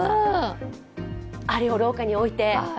あれを廊下に置いて。